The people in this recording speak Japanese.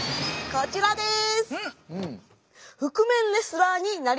こちらです！